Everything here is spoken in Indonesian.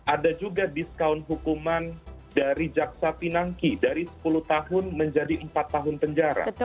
ada juga diskaun hukuman dari jaksa pinangki dari sepuluh tahun menjadi empat tahun penjara